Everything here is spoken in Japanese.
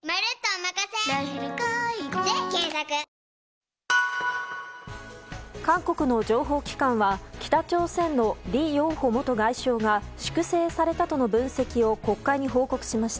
警察は、自発的に家を出たとみて韓国の情報機関は北朝鮮のリ・ヨンホ元外相が粛清されたとの分析を国会に報告しました。